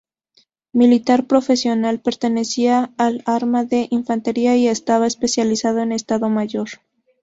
Militar profesional, pertenecía al arma de infantería y estaba especializado en Estado Mayor.